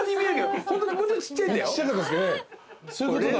そういうことだ。